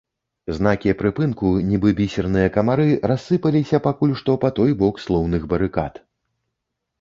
Знакі прыпынку, нібы бісерныя камары, рассыпаліся пакуль што па той бок слоўных барыкад.